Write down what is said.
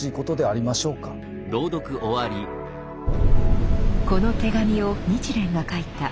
この手紙を日蓮が書いた１年半前。